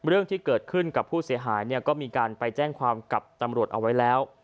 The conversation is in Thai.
เรื่องที่เกิดขึ้นกับผู้เสียหายเนี่ยก็มีการไปแจ้งความกับตำรวจเอาไว้แล้ว